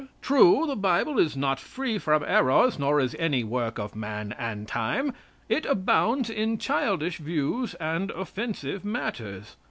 "True, the Bible is not free from errors, nor is any work of man and time. It abounds in childish views and offensive matters.